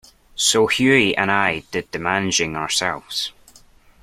So Hughie and I did the managing ourselves.